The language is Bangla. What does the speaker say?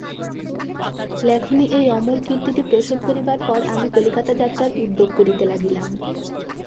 লেখনী এই অমর কীর্তিটি প্রসব করিবার পর আমি কলিকাতা যাত্রার উদ্যোগ করিতে লাগিলাম।